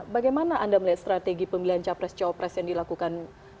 bagaimana anda melihat strategi pemilihan capres cawapres yang dilakukan